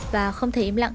và không thể im lặng